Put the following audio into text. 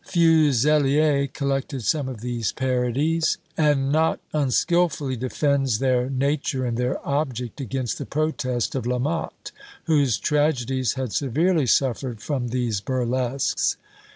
Fuzelier collected some of these parodies, and not unskilfully defends their nature and their object against the protest of La Motte, whose tragedies had severely suffered from these burlesques.